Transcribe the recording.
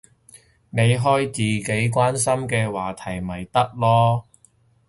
你開自己關心嘅話題咪得囉